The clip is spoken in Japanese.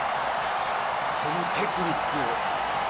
このテクニック。